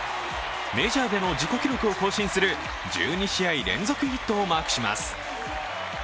メジャーでの自己記録を更新する１２試合連続ヒットをマークします。